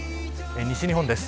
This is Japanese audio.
西日本です。